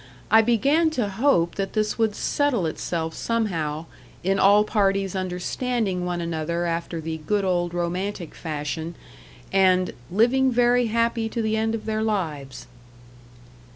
I began to hope that this would settle itself somehow in all parties understanding one another after the good old romantic fashion, and "living very happy to the end of their lives."